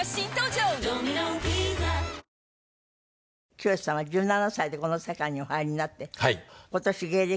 きよしさんは１７歳でこの世界にお入りになって今年芸歴